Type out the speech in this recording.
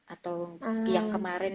atau yang kemarin